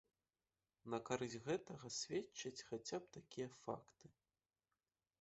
На карысць гэтага сведчаць хаця б такія факты.